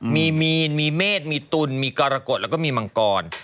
มีมีนมีเมฆมีตุลมีกรกฎแล้วก็มีมังกร